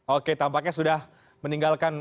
oke tampaknya sudah meninggalkan